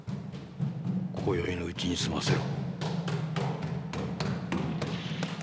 今宵のうちにすませろ。